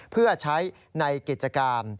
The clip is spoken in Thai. เพื่อใช้ในกิจกรรม